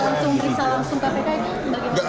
nggak ada nggak ada